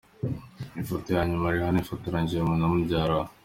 Ifoto ya nyuma Rihanna yifotoranyije na mubyara we.